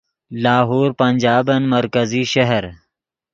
لاہور پنجابن مرکزی شہر